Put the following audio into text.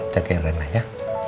jagain rena ya